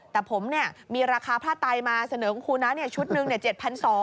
แต่ผมมีราคาผ้าไตมาเสนอของครูนะชุดหนึ่ง๗๒๐๐